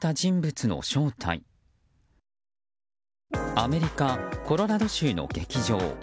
アメリカ・コロラド州の劇場。